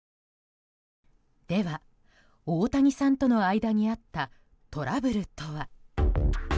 では、大谷さんとの間にあったトラブルとは？